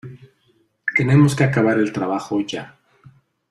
Tenemos que acabar el trabajo ya.